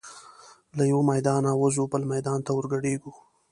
له یوه میدانه وزو بل میدان ته ور ګډیږو